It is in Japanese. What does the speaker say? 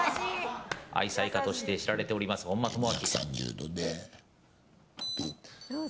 愛妻家として知られております本間朋晃。